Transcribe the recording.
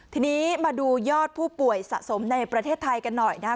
ทีนี้มาดูยอดผู้ป่วยสะสมในประเทศไทยกันหน่อยนะครับ